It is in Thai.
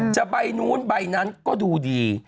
จะไปนู้นไปนั้นก็ดูดี